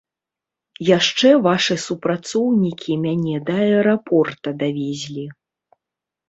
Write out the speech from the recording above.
Яшчэ вашы супрацоўнікі мяне да аэрапорта давезлі.